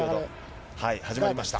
始まりました。